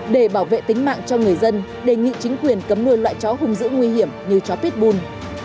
để bảo vệ tính mạng cho người dân đề nghị chính quyền cấm nuôi loại chó hung dữ nguy hiểm như chó pít bùn